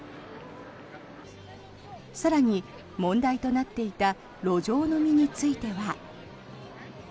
更に、問題となっていた路上飲みについては。